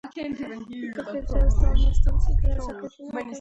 И Конференция стала инструментом для закрепления этого подхода.